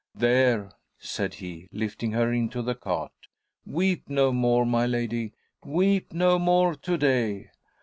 "There," said he, lifting her into the cart. "'Weep no more, my lady, weep no more to day!'